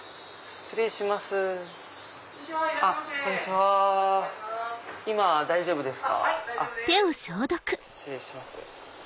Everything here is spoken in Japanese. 失礼します。